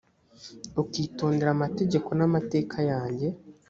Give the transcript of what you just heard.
ukitondera amategeko n’amateka yanjye